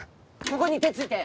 ここに手ついて。